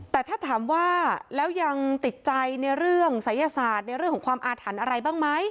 แต่ถ้าถามว่าแล้วยังติดใจในเรื่องศัยศาสตร์ในเรื่องของความอาถรรพ์อะไรบ้างไหม